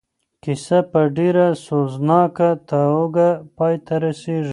کیسه په ډېره سوزناکه توګه پای ته رسېږي.